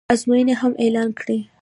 ازموینې هم اعلان کړې